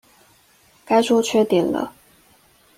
該說缺點了